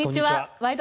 「ワイド！